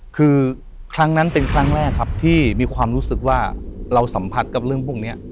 คือครั้งนั้นเป็นครั้งแรกครับที่มีความรู้สึกว่าเราสัมผัสกับเรื่องพวกนี้